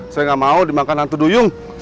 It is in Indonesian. saya nggak mau dimakan hantu duyung